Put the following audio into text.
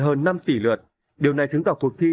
hơn năm tỷ lượt điều này chứng tỏ cuộc thi